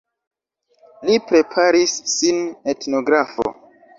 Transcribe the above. Li preparis sin etnografo.